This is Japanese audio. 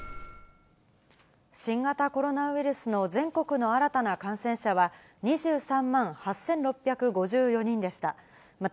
新型コロナウイルスの全国の新たな感染者は、２３万８６５４人でした。